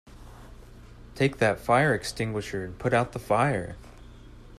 Take that fire extinguisher and put out the fire!